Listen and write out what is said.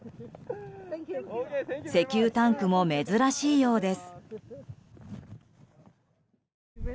石油タンクも珍しいようです。